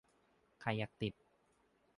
ใครอยากติด